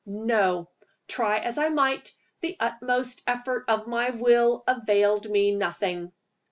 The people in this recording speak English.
No! try as I might, the utmost effort of my will availed me nothing.